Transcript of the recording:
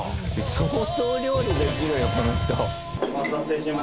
相当料理できるよこの人。